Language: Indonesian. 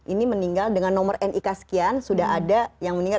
ini meninggal dengan nomor nik sekian sudah ada yang meninggal